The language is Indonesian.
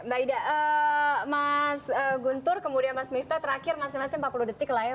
mbak ida mas guntur kemudian mas miftah terakhir masing masing empat puluh detik lah ya